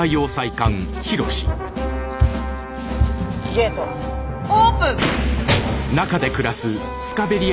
ゲートオープン。